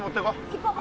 行こう。